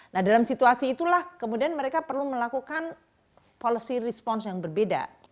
nah dalam situasi itulah kemudian mereka perlu melakukan policy response yang berbeda